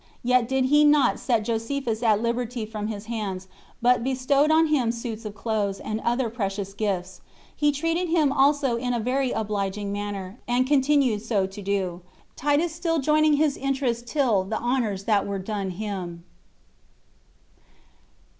Yet did he not set Josephus at liberty from his hands, but bestowed on him suits of clothes, and other precious gifts; he treated him also in a very obliging manner, and continued so to do, Titus still joining his interest in the honors that were done him.